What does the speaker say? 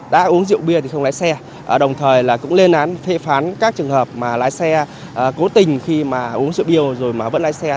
đã uống rượu bia thì không lái xe đồng thời là cũng lên án thệ phán các trường hợp mà lái xe cố tình khi mà uống rượu bia rồi mà vẫn lái xe